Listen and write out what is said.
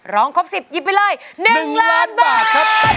ร้องครบ๑๐ยิบไปเลย๑ล้านบาท